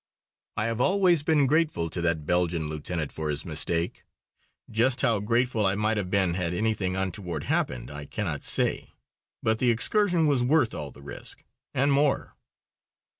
I have always been grateful to that Belgian lieutenant for his mistake. Just how grateful I might have been had anything untoward happened, I cannot say. But the excursion was worth all the risk, and more.